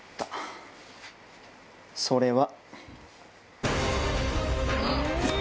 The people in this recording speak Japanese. それは。